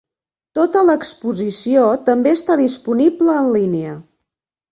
Tota l'exposició també està disponible en línia.